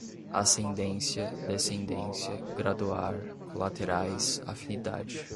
ascendência, descendência, graduar, colaterais, afinidade